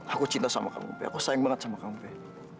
aku cinta sama kamu aku sayang banget sama kamu